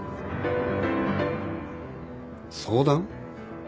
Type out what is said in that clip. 相談？